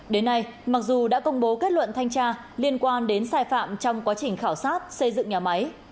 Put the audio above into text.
đến nay mặc dù đã công bố kết luận thanh tra liên quan đến sai phạm trong quá trình khảo sát xây dựng nhà máy